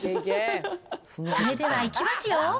それではいきますよ。